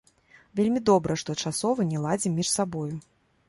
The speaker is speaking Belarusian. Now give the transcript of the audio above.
Вельмі добра, што часова не ладзім між сабою.